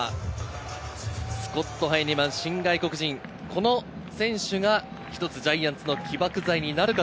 スコット・ハイネマン新外国人、この選手が一つジャイアンツの起爆剤になるか。